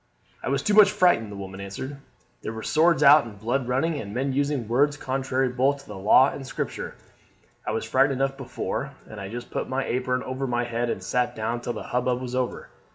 "I was too much frightened," the woman answered. "There were swords out and blood running, and men using words contrary both to the law and Scripture. I was frighted enough before, and I just put my apron over my head and sat down till the hubbub was over.